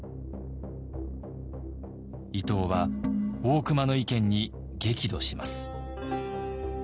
伊藤は大隈の意見に激怒します。